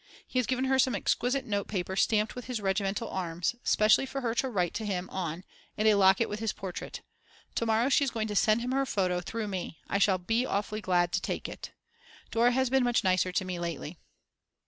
He has given her some exquisite notepaper stamped with his regimental arms, specially for her to write to him on, and a locket with his portrait. To morrow she is going to send him her photo, through me, I shall be awfully glad to take it. Dora has been much nicer to me lately.